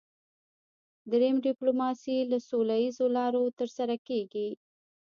دریم ډیپلوماسي له سوله اییزو لارو ترسره کیږي